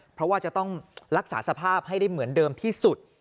เพราะว่าจะต้องรักษาสภาพให้ได้เหมือนเดิมที่สุด